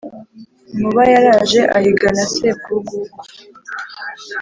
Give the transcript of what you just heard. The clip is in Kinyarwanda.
Nkuba yaraje ahiga na Sebwugugu